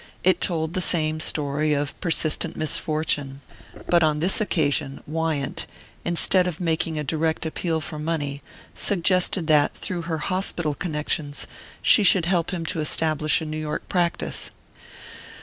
It told the same story of persistent misfortune, but on this occasion Wyant, instead of making a direct appeal for money, suggested that, through her hospital connections, she should help him to establish a New York practice.